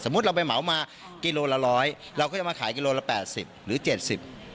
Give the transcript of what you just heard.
เราไปเหมามากิโลละร้อยเราก็จะมาขายกิโลละแปดสิบหรือเจ็ดสิบ